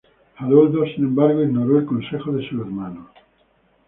Haroldo, sin embargo, ignoró el consejo de su hermano.